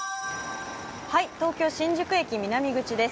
東京・新宿駅南口です。